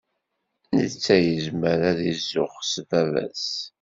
Netta yezmer ad izuxx s baba-s.